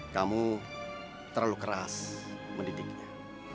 kamu terlalu keras mendidiknya